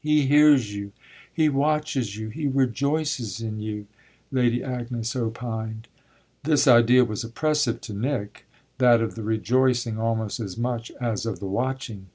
"He hears you, he watches you, he rejoices in you," Lady Agnes opined. This idea was oppressive to Nick that of the rejoicing almost as much as of the watching.